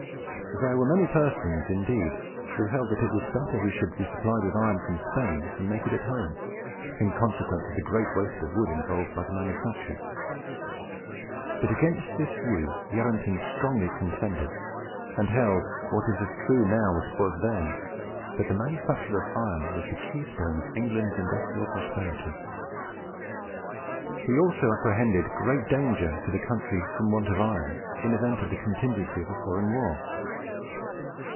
There were many persons, indeed, who held that it was better we should be supplied with iron from Spain than make it at home, in consequence of the great waste of wood involved by the manufacture; but against this view Yarranton strongly contended, and held, what is as true now as it was then, that the manufacture of iron was the keystone of England's industrial prosperity. He also apprehended great danger to the country from want of iron in event of the contingency of a foreign war.